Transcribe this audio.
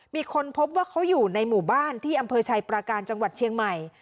มีคนพบว่าเขาอยู่ในหมู่บ้านที่อำเภอชัยประการจังหวัดเชียงใหม่